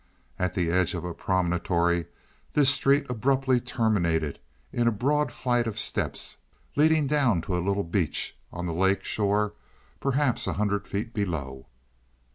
At the edge of a promontory this street abruptly terminated in a broad flight of steps leading down to a little beach on the lake shore perhaps a hundred feet below.